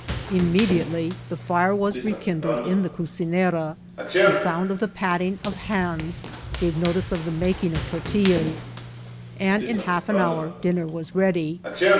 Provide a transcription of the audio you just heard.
Im mediately the fire was rekindled in the cucinera, the sound of the patting of hands gave notice of the ma king of tortillas, and in half an hopr dinner was ready.